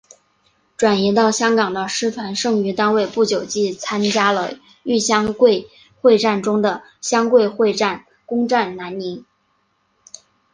转移到香港的师团剩余单位不久即参加了豫湘桂会战中的湘桂会战攻占南宁。